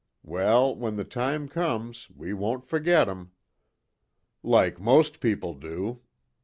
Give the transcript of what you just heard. Well, when the time comes, we won't forget 'em " "Like most people do.